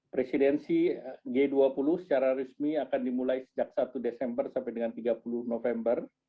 presidensi g dua puluh secara resmi akan dimulai sejak satu desember sampai dengan tiga puluh november